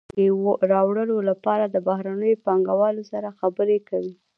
هغوی خپل وطن ته د پانګې راوړلو لپاره د بهرنیو پانګوالو سره خبرې کوي